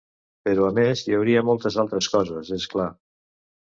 Però a més hi haurà moltes altres coses, és clar.